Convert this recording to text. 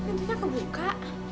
kok pintunya kebuka